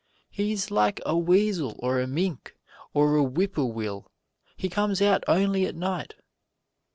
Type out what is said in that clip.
He is like a weasel or a mink or a whippoorwill he comes out only at night.